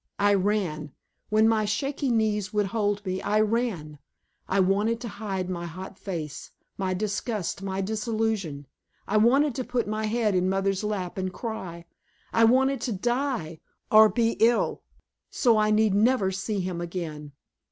I ran; when my shaky knees would hold me, I ran. I wanted to hide my hot face, my disgust, my disillusion; I wanted to put my head in mother's lap and cry; I wanted to die, or be ill, so I need never see him again.